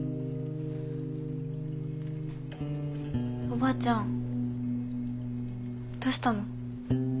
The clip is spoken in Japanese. おばあちゃんどうしたの？